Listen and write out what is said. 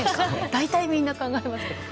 大体みんな考えますけど。